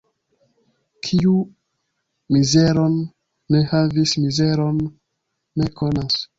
Kiu mizeron ne havis, mizeron ne konas.